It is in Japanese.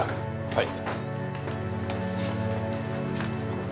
はい。